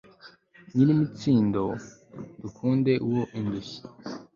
nyir'imitsindo, dukunde uwo indushyi